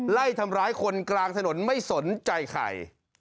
ไล่ทำร้ายคนกลางถนนไม่สนใจใคร